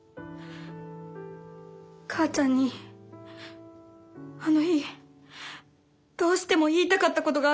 母ちゃんにあの日どうしても言いたかったことがあるんだ。